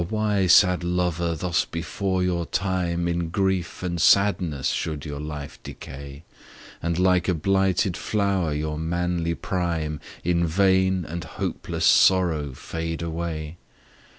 why, sad lover! thus before your time, In grief and sadness should your life decay, And like a blighted flower, your manly prime In vain and hopeless sorrow fade away?